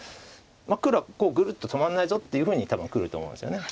黒はグルッと止まんないぞっていうふうに多分くると思うんです。